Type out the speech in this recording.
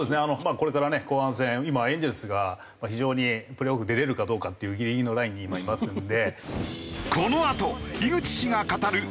これからね後半戦今エンゼルスが非常にプレーオフ出れるかどうかっていうギリギリのラインに今いますので。